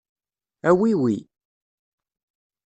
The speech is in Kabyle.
Awi wi.